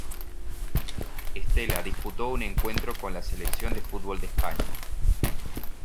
Estella disputó un encuentro con la selección de fútbol de España.